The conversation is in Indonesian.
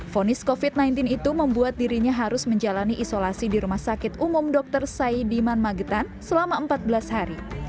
fonis covid sembilan belas itu membuat dirinya harus menjalani isolasi di rumah sakit umum dr saidiman magetan selama empat belas hari